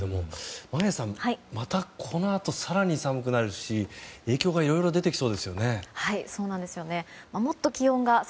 眞家さん、またこのあと更に寒くなりますし影響がいろいろ出てきそうですね。